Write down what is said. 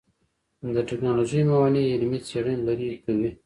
د ټکنالوژۍ موانع علمي څېړنې لرې کوي.